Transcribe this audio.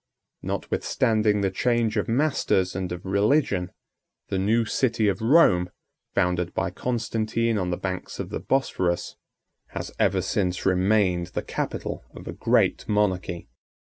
Notwithstanding the change of masters and of religion, the new city of Rome, founded by Constantine on the banks of the Bosphorus, has ever since remained the capital of a great monarchy.